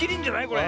これ。